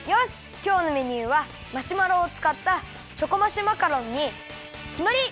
きょうのメニューはマシュマロをつかったチョコマシュマカロンにきまり！